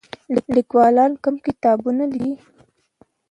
لیکوالان کوم کتابونه لیکي؟